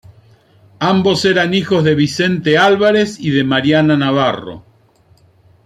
Ambos eran hijos de Vicente Álvarez y de Mariana Navarro.